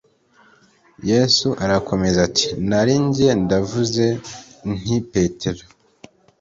Yesu arakomeza ati: "Narijye ndavuze nti: uri Petero